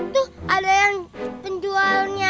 tuh ada yang penjualnya